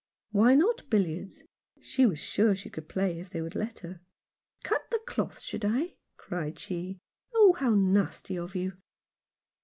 Why not billiards ? She was sure she could play if they would let her. " Cut the cloth, should I ?" cried she. " Oh, how nasty of you